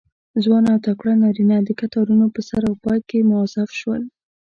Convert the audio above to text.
ځوان او تکړه نارینه د کتارونو په سر او پای کې موظف شول.